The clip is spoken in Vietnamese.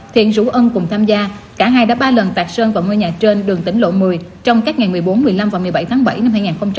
thiện rủ ân cùng tham gia cả hai đã ba lần tạc sơn vào ngôi nhà trên đường tỉnh lộ một mươi trong các ngày một mươi bốn một mươi năm và một mươi bảy tháng bảy năm hai nghìn hai mươi